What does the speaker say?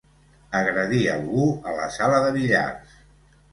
Agredir algú a la sala de billars.